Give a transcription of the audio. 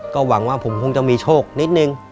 ก็หวังว่าผมคงจะมีโชคนิดนึง